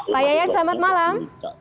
pak yayak selamat malam